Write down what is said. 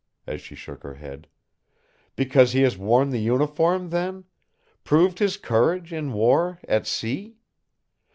as she shook her head. "Because he has worn the uniform, then; proved his courage in war at sea?